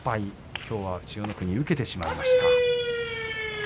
きょうは千代の国は受けてしまいました。